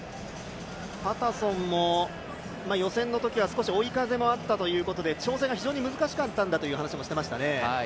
パタソンも予選のときは少し追い風もあったとういことで調整が非常に難しかったんだという話もしてましたね。